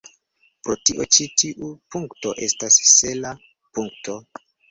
Pro tio, ĉi tiu punkto estas sela punkto.